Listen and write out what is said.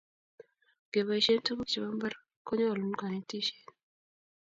ngebaishen tuguk chebo mbar konyalun kanetishiet